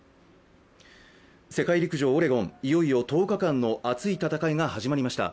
世界陸上オレゴン、いよいよ１０日間の熱い戦いが始まりました。